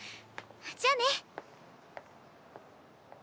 じゃあね。